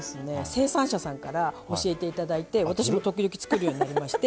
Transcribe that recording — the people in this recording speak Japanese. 生産者さんから教えていただいて私も時々作るようになりまして。